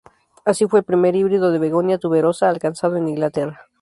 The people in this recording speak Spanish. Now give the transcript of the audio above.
Así fue el primer híbrido de "begonia tuberosa" alcanzado en Inglaterra.